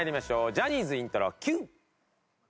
ジャニーズイントロＱ！